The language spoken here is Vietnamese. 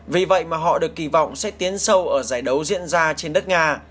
vì vậy mà họ được kỳ vọng sẽ tiến sâu ở giải đấu diễn ra trên đất nga